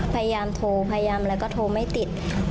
พยายามโทรพยายามอะไรก็โทรไม่ติด